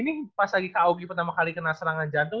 ini pas lagi kak aoki pertama kali kena serangan jantung